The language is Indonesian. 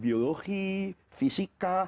beban mempelajari biologi fisika